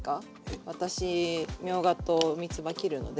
私みょうがとみつば切るので。